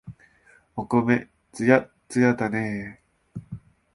お米、つやっつやだね。